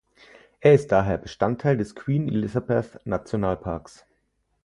Er ist daher Bestandteil des Queen-Elizabeth-Nationalparks.